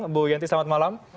ibu yenti selamat malam